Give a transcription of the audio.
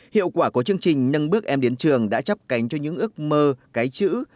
hiệu quả của chương trình nâng bước em đến trường đã chấp cánh cho những ước mơ cái chữ